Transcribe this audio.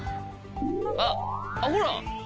あっほら。